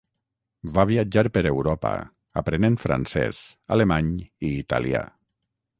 Va viatjar per Europa, aprenent francès, alemany i italià.